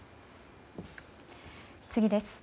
次です。